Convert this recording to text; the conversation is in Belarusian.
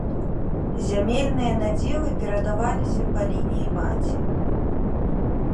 Зямельныя надзелы перадаваліся па лініі маці.